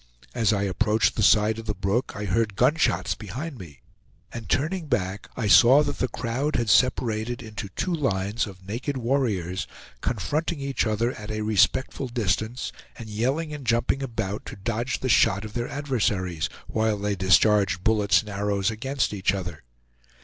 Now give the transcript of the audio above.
As I approached the side of the brook I heard gun shots behind me, and turning back, I saw that the crowd had separated into two lines of naked warriors confronting each other at a respectful distance, and yelling and jumping about to dodge the shot of their adversaries, while they discharged bullets and arrows against each other.